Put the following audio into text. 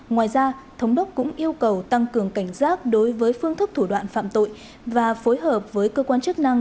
ngoài ra thống đốc cũng yêu cầu tăng cường cảnh giác đối với phương thức thủ đoạn phạm tội và phối hợp với cơ quan chức năng